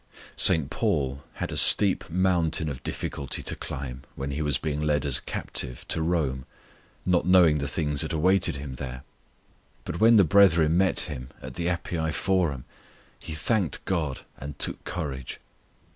St. Paul had a steep mountain of difficulty to climb when he was being led as a captive to Rome, not knowing the things that awaited him there; but when the brethren met him at the Appii Forum he thanked God and took courage.